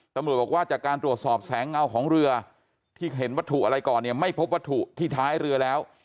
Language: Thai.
ตำรวจบอกว่าจากการตรวจสอบแสงเงาของเรือที่เห็นวัตถุอะไรก่อนเนี่ยไม่พบวัตถุที่ท้ายเรือแล้ว